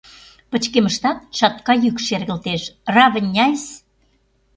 Пычкемыштак чатка йӱк шергылтеш: «Равняйсь!